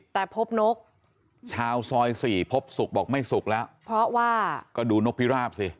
แต่พบนกชาวซอยสี่พบสุกบอกไม่สุกแล้วเพราะว่าก็ดูนกพิราบสิ